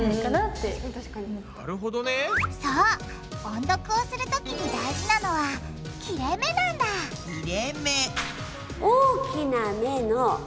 音読をするときに大事なのは「切れめ」なんだ切れめ。